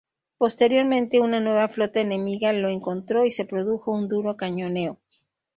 Posteriormente una nueva flota enemiga lo encontró y se produjo un duro cañoneo.